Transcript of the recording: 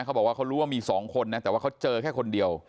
เขาบอกว่าเขารู้ว่ามี๒คนนะแต่ว่าเขาเจอแค่คนเดียว